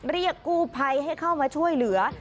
เรียกกู้ภัยให้เข้ามาช่วยเหลือ